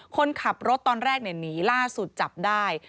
คนขับรถตอนแรกหนีล่าสุดจับได้